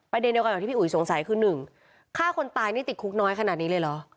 เดียวกันอย่างที่พี่อุ๋ยสงสัยคือหนึ่งฆ่าคนตายนี่ติดคุกน้อยขนาดนี้เลยเหรอ